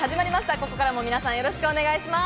ここからも皆さんよろしくお願いします。